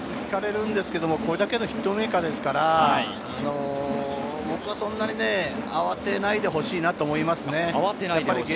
これだけのヒットメーカーですから、僕はそんなに慌てないでほしいと思います。